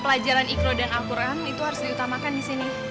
pelajaran ikhlo dan al quran itu harus diutamakan disini